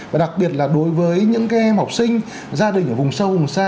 và đặc biệt là đối với những em học sinh gia đình ở vùng sâu vùng xa